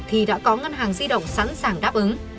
thì đã có ngân hàng di động sẵn sàng đáp ứng